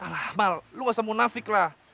alah mal lo gak usah munafik lah